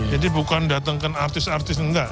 jadi bukan datangkan artis artis enggak